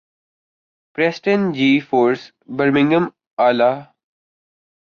Preston G Foster Birmingham الا